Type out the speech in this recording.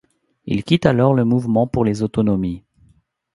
Il quitte alors le Mouvement pour les autonomies.